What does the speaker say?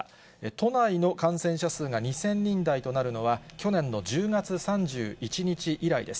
都内の感染者数が２０００人台となるのは、去年の１０月３１日以来です。